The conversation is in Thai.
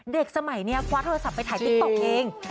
เด็กสมัยเนี่ยพวาโทรศัพท์ไปถ่ายติ๊กโต๊กเอง